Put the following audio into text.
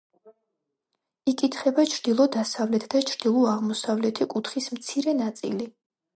იკითხება ჩრდილო-დასავლეთ და ჩრდილო-აღმოსავლეთი კუთხის მცირე ნაწილი.